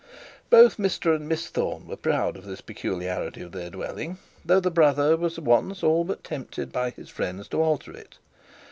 But Mr and Miss Thorne were proud of this peculiarity of their dwelling, though the brother was once all but tempted by his friends to alter it.